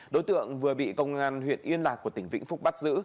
đối tượng vừa bị công an huyện yên lạc của tỉnh vĩnh phúc bắt giữ